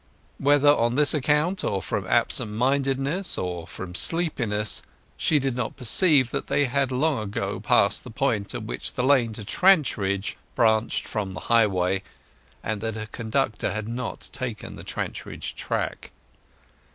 Whether on this account, or from absent mindedness, or from sleepiness, she did not perceive that they had long ago passed the point at which the lane to Trantridge branched from the highway, and that her conductor had not taken the Trantridge track.